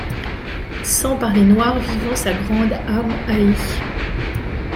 Sent par les noirs vivants sa grande âme haïe